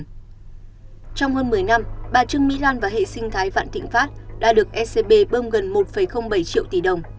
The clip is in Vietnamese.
trong hơn một mươi năm bà trương mỹ lan và hệ sinh thái vạn thịnh pháp đã được ecb bơm gần một bảy triệu tỷ đồng